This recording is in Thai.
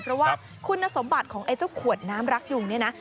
เพราะว่าคุณสมบัติของไอ้เจ้าขวดน้ำรักยุงเนี่ยนะ